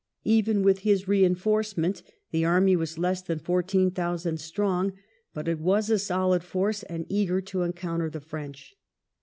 Even with his reinforcement, the army was less than fourteen thousand strong, but it was a solid force and eager to encounter the French.